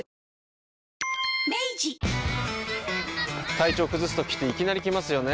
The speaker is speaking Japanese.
体調崩すときっていきなり来ますよね。